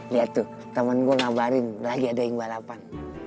lihat tuh temen gue ngabarin lagi ada yang balapan